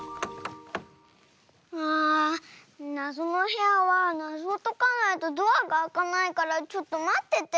あなぞのへやはなぞをとかないとドアがあかないからちょっとまってて。